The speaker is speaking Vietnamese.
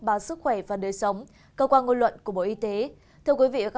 bản sức khỏe và đời sống cơ quan ngôn luận của bộ y tế